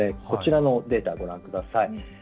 こちらのデータをご覧ください。